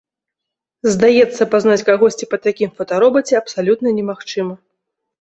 Здаецца, пазнаць кагосьці па такім фотаробаце абсалютна немагчыма.